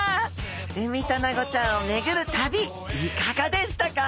ウミタナゴちゃんを巡る旅いかがでしたか？